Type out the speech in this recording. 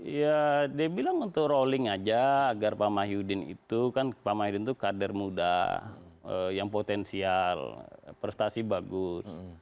ya dia bilang untuk rolling aja agar pak mahyudin itu kan pak mahyudin itu kader muda yang potensial prestasi bagus